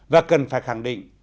và cần phải khẳng định